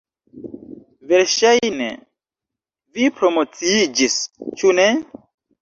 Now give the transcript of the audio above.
Verŝajne, vi promociiĝis, ĉu ne?